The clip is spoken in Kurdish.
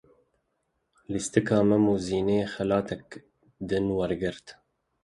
Lîstika Mem û Zînê xelateke din wergirt.